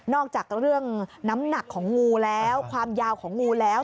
อกจากเรื่องน้ำหนักของงูแล้วความยาวของงูแล้ว